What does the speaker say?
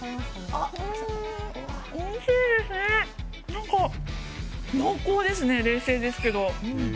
なんか、濃厚ですね、冷製ですけど。